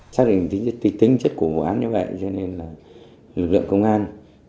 xác định tính chất của vụ án như vậy cho nên là lực lượng công an